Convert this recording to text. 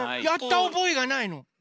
やった覚えがないの。